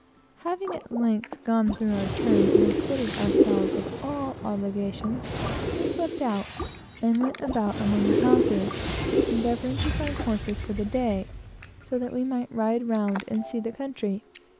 Having at length gone through our turns and acquitted ourselves of all obligations, we slipped out, and went about among the houses, endeavoring to get horses for the day, so that we might ride round and see the country.